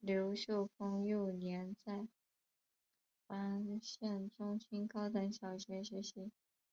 刘秀峰幼年在完县中心高等小学学习。